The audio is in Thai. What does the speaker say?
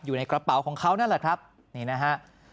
อยู่ในกระเป๋าของเขานั่นแหละครับนี่นะฮะ